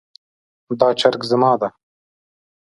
دا چرګ زما ده